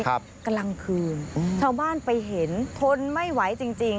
กำลังคืนเท่าบ้านไปเห็นทนไม่ไหวจริง